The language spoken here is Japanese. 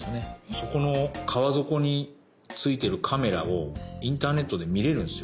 そこの川底についてるカメラをインターネットで見れるんすよ